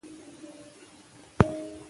اقتصادي نظامونه بېلابېل ارزښتونه لري.